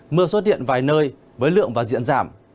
mưa xuất hiện vài nơi với lượng và diện giảm